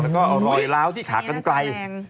แล้วก็เอารอยล้าวที่ขากันไกล